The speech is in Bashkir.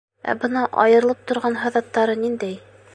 Ә бына айырылып торған һыҙаттары ниндәй?